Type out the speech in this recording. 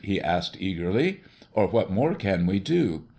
he asked eagerly. "Or what more can we do?